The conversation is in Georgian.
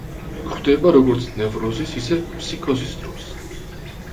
გვხვდება როგორც ნევროზის, ისე ფსიქოზის დროს.